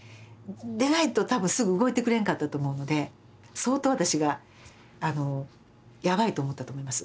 でないと多分すぐ動いてくれんかったと思うので相当私がやばいと思ったと思います。